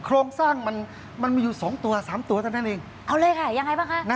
โครงสร้างมันมันมีอยู่สองตัวสามตัวเท่านั้นเองเอาเลยค่ะยังไงบ้างคะ